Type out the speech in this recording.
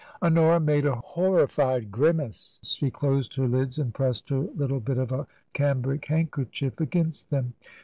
Honora made a horrified grimace ; she closed her lids and pressed her little bit of a cambric handkerchief against them.